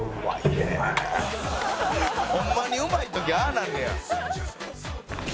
ホンマにうまい時はああなんねや。